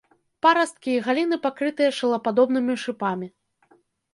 Парасткі і галіны пакрытыя шылападобнымі шыпамі.